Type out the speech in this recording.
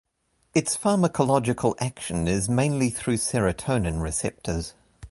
Its pharmacological action is mainly through serotonin receptors.